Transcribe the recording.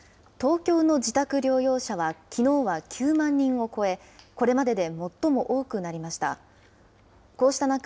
東京の自宅療養者はきのうは９万人を超え、これまでで最も多くなりました。